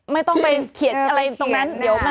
ไม่ต้องไปเขียนอะไรตรงนั้น